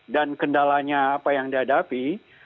dan kendalanya apa yang dihadapi